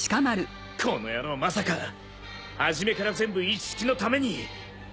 この野郎まさか初めから全部イッシキのために！